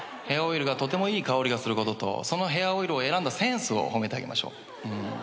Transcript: ヘアオイルがとてもいい香りがすることとそのヘアオイルを選んだセンスを褒めてあげましょう。